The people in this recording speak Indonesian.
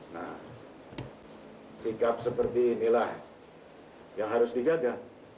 nah sikap seperti inilah yang harus dijaga